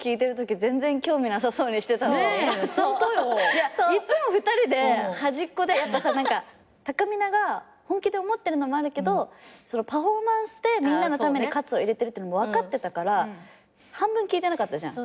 いやいつも２人で端っこで何かたかみなが本気で思ってるのもあるけどパフォーマンスでみんなのために活を入れてるって分かってたから半分聞いてなかったじゃん。